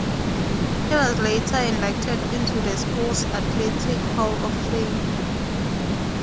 He was later inducted into the school's athletic hall of fame.